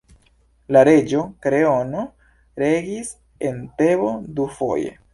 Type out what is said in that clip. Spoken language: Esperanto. La reĝo Kreono regis en Tebo dufoje.